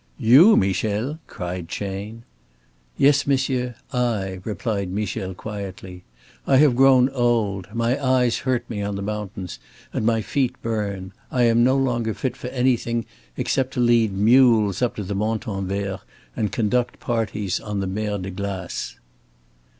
"You, Michel?" cried Chayne. "Yes, monsieur, I," replied Michel, quietly. "I have grown old. My eyes hurt me on the mountains, and my feet burn. I am no longer fit for anything except to lead mules up to the Montanvert and conduct parties on the Mer de Glace."